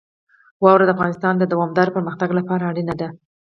واوره د افغانستان د دوامداره پرمختګ لپاره اړین دي.